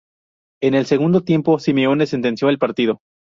En el segundo tiempo, Simeone sentenció el partido.